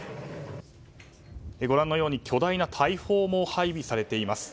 ご覧のように巨大な大砲も配備されています。